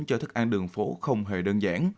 cho thức ăn đường phố không hề đơn giản